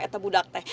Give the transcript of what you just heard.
itu budak teh